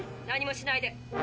「何もしないで」。